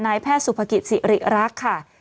นายแพทย์สุภกิจสิริรักษ์ค่ะ